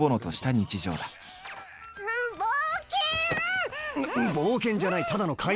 冒険じゃないただの買い物だ。